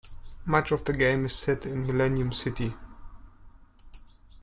Much of the game is set in Millennium City.